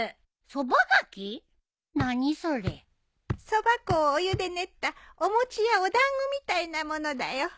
そば粉をお湯で練ったお餅やお団子みたいなものだよ。